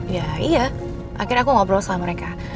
ya iya akhirnya aku ngobrol sama mereka